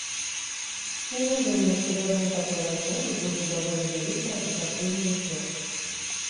Я не думаю, што з адной такой размовы будзе даволі вялікі адукацыйны эфект.